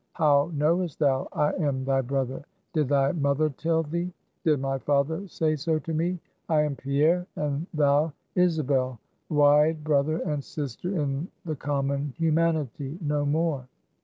How knowest thou I am thy brother? Did thy mother tell thee? Did my father say so to me? I am Pierre, and thou Isabel, wide brother and sister in the common humanity, no more.